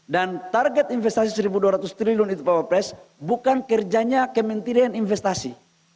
dan target investasi rp satu dua ratus triliun itu bapak pres bukan kerjanya kementerian investasi